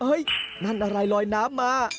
นั่นอะไรลอยน้ำมา